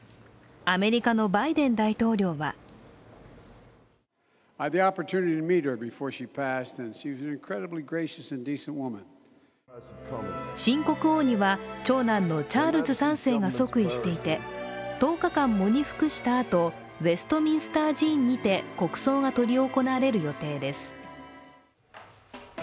アメリカのバイデン大統領は新国王には長男のチャールズ３世が即位していて１０日間、喪に服したあと、ウェストミンスター寺院にて国葬が執り行われる予定です。